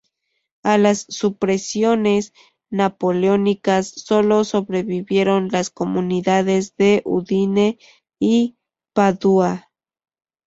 A las supresiones napoleónicas solo sobrevivieron las comunidades de Udine y de Padua.